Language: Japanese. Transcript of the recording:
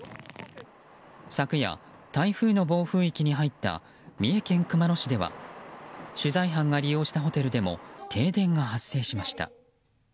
昨夜、台風の暴風域に入った三重県熊野市では取材班が利用したホテルでも停電が発生しました。